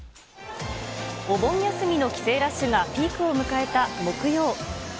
お盆休みの帰省ラッシュがピークを迎えた木曜。